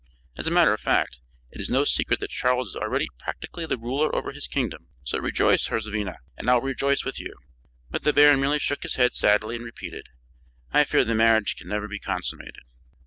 As a matter of fact, it is no secret that Charles is already practically the ruler over his kingdom. So rejoice, Herzvina, and I will rejoice with you!" But the baron merely shook his head sadly and repeated: "I fear the marriage can never be consummated."